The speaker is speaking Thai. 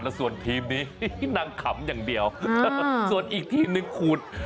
แล้วส่วนทีมนี้นางขำอย่างเดียวส่วนอีกทีมหนึ่งขูด